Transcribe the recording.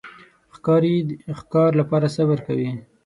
ښکاري د ښکار لپاره صبر کوي.